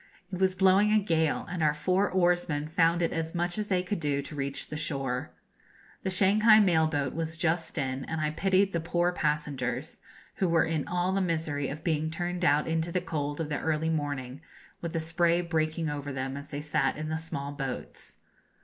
It was blowing a gale, and our four oarsmen found it as much as they could do to reach the shore. The Shanghai mail boat was just in, and I pitied the poor passengers, who were in all the misery of being turned out into the cold of the early morning, with the spray breaking over them as they sat in the small boats.